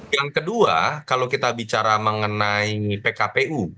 yang kedua kalau kita bicara mengenai pkpu